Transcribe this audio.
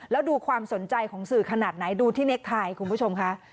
แล้วดูความสนใจของสื่อขนาดไหนดูที่เน็กไทยคุณผู้ชมค่ะ